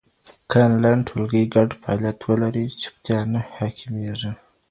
که انلاین ټولګي ګډ فعالیت ولري، چوپتیا نه حاکمېږي.